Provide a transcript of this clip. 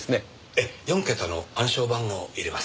ええ４桁の暗証番号を入れます。